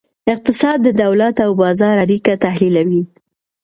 اقتصاد د دولت او بازار اړیکه تحلیلوي.